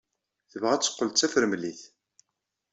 Tebɣa ad teqqel d tafremlit.